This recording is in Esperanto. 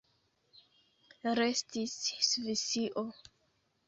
Restis Svisio.